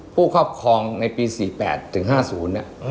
ครอบครองในปี๔๘ถึง๕๐เนี่ย